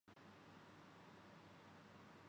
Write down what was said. یہ ہماری ذہنی تندرستی کے لئے خطرہ ہوسکتی ہے